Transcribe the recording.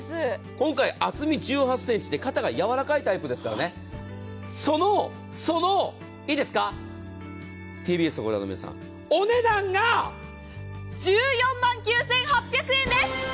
今回厚み１８ｃｍで肩がやわらかいタイプですからね、いいですか、ＴＢＳをご覧の皆さん、そのお値段が１４万９８００円です！